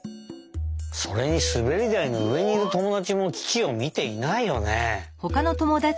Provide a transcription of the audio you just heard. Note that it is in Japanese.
それにすべりだいのうえにいるともだちもキキをみていないよね？